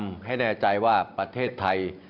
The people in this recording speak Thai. วันนี้นั้นผมจะมาพูดคุยกับทุกท่าน